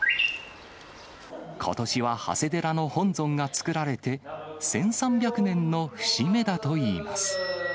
ことしは長谷寺の本尊がつくられて１３００年の節目だといいます。